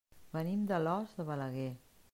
Venim d'Alòs de Balaguer.